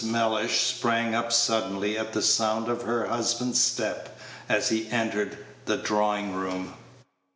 Mellish sprang up suddenly at the sound of her husband's step as he entered the drawing room.